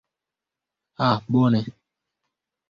Ah bone.